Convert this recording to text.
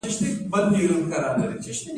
حاضري د مامور مکلفیت دی